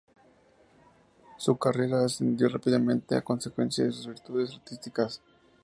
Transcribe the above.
Su carrera ascendió rápidamente a consecuencia de sus virtudes artísticas.